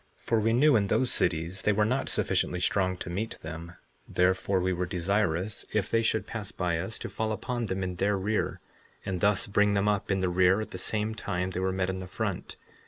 56:23 For we knew in those cities they were not sufficiently strong to meet them; therefore we were desirous, if they should pass by us, to fall upon them in their rear, and thus bring them up in the rear at the same time they were met in the front.